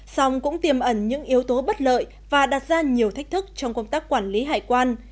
song cũng tiềm ẩn những yếu tố bất lợi và đặt ra nhiều thách thức trong công tác quản lý hải quan